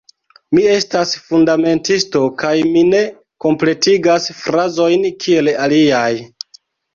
Mi estas fundamentisto kaj mi ne kompletigas frazojn kiel aliaj...